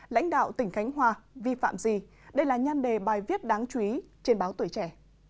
lãnh đạo tỉnh khánh hòa vi phạm gì đây là nhan đề bài viết đáng chú ý trên báo tuổi trẻ